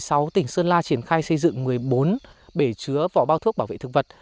năm hai nghìn một mươi sáu tỉnh sơn la triển khai xây dựng một mươi bốn bể chứa vỏ bao thuốc bảo vệ thực vật